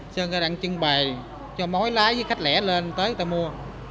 sơn ra đặng trưng bày cho mối lái với khách lẻ lên tới người ta mua